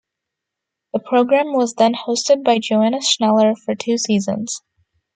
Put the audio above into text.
The program was then hosted by Johanna Schneller for two seasons.